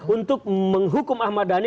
untuk menghukum ahmad dhani